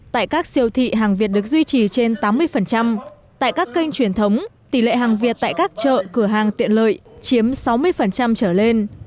tại các siêu thị hàng việt được duy trì trên tám mươi tại các kênh truyền thống tỷ lệ hàng việt tại các chợ cửa hàng tiện lợi chiếm sáu mươi trở lên